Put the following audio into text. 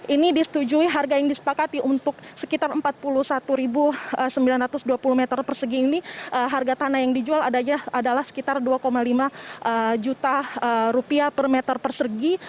ini disetujui harga yang disepakati untuk sekitar empat puluh satu sembilan ratus dua puluh meter persegi ini harga tanah yang dijual adalah sekitar dua lima juta rupiah per meter persegi